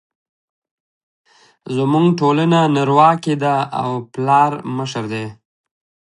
زموږ ټولنه نرواکې ده او پلار مشر دی